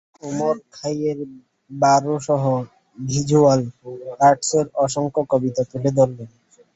তিনি ওমর খৈয়ামের বারো সহ ভিজ্যুয়াল আর্টসে অসংখ্য কবিতা তুলে ধরেন।